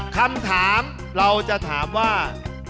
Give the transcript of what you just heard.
คำถามเราจะถามว่า